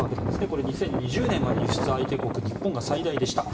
これ、２０２０年まで輸出相手国日本が最大でした。